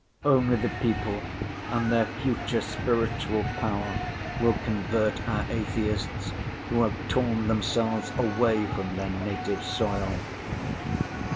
Only the people and their future spiritual power will convert our atheists, who have torn themselves away from their native soil.